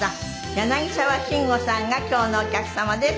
柳沢慎吾さんが今日のお客様です。